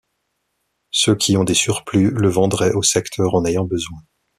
Ceux qui ont des surplus le vendraient aux secteurs en ayant besoin.